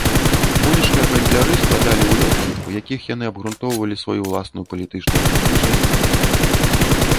Вулічныя гандляры складалі ўлёткі, у якіх яны абгрунтоўвалі сваю ўласную палітычную ідэнтычнасць у песнях.